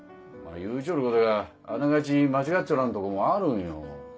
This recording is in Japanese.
言うちょることがあながち間違っちょらんとこもあるんよ。